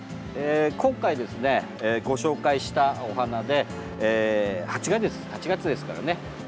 今回ですね、ご紹介したお花で８月ですからね